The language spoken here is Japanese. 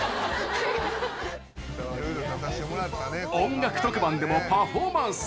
音楽特番でもパフォーマンス。